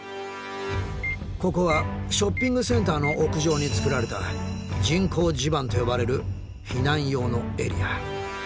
ここはショッピングセンターの屋上に作られた人工地盤と呼ばれる避難用のエリア。